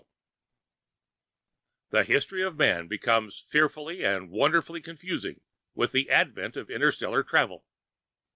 ] The history of man becomes fearfully and wonderfully confusing with the advent of interstellar travel.